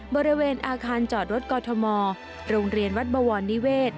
บริเวณอาคารจอดรถกอทมโรงเรียนวัดบวรนิเวศ